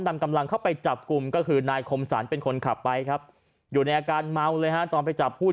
นำกำลังเข้าไปจับกลุ่มก็คือนายคมสรรเป็นคนขับไปครับอยู่ในอาการเมาเลยฮะตอนไปจับพูด